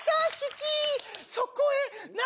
そこへ。